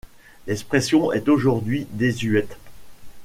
L'expression est aujourd'hui désuette.